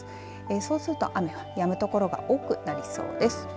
そうすると雨はやむ所が多くなりそうです。